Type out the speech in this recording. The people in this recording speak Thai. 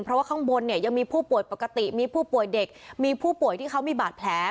เพราะว่าข้างบนเนี่ยยังมีผู้ป่วยปกติมีผู้ป่วยเด็กมีผู้ป่วยที่เขามีบาดแผล